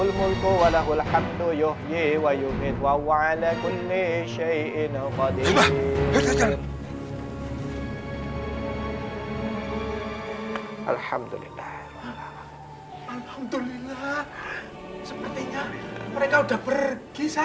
alhamdulillah sepertinya mereka sudah pergi sahab